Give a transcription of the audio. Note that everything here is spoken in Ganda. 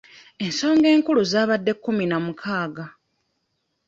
Ensonga enkulu zaabadde kkumi na mukaaga.